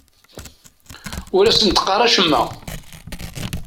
Ur asent-qqar acemma.